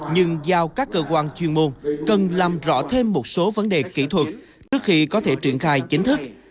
nhưng giao các cơ quan chuyên môn cần làm rõ thêm một số vấn đề kỹ thuật trước khi có thể triển khai chính thức